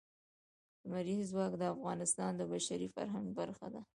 لمریز ځواک د افغانستان د بشري فرهنګ برخه ده.